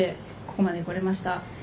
ここまで来れました。